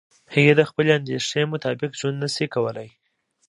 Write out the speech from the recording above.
هغه د خپلې اندیشې مطابق ژوند نشي کولای.